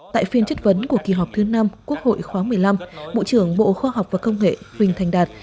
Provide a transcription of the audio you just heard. tại phiên chất vấn của kỳ họp thứ năm quốc hội khoáng một mươi năm bộ trưởng bộ khoa học và công nghệ huỳnh thành đạt